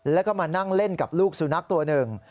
แล้วก็มานั่งเล่นกับลูกสุนัขตัวหนึ่ง